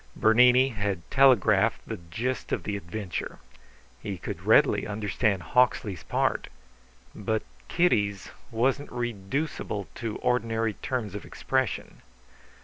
Bernini had telegraphed the gist of the adventure. He could readily understand Hawksley's part; but Kitty's wasn't reducible to ordinary terms of expression.